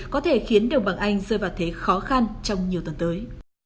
có thể khiến đồng bằng anh rơi vào thế khó khăn trong nhiều tuần tới